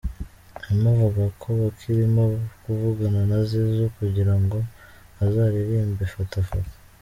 Emma avuga ko bakirimo kuvugana na Zizou kugira ngo azaririmbe “fata fata”.